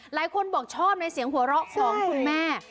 หลายคนบอกชอบในเสียงหัวเราะของคุณแม่